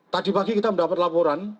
tadi pagi kita mendapat laporan